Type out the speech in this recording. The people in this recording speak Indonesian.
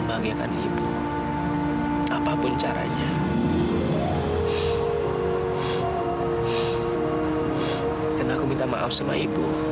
minta penjelasan yang pasti